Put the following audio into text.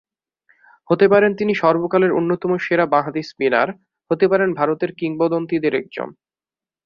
হতে পারেন তিনি সর্বকালের অন্যতম সেরা বাঁহাতি স্পিনার, হতে পারেন ভারতের কিংবদন্তিদের একজন।